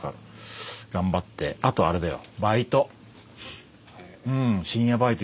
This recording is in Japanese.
あとあれだよ。